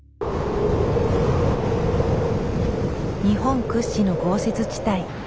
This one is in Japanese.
日本屈指の豪雪地帯